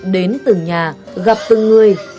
đến từng nhà gặp từng người